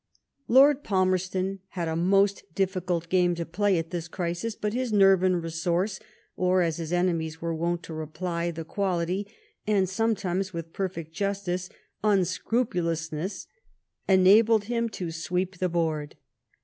Lord Palmerston had a most difficult game to play at this orisis, hut his nerve and resource, or,, as his enemies were wont to term the quality — and sometimes with perfect justice — unscrupnlousness, enabled him to sweep the board.